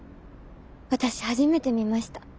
私初めて見ました。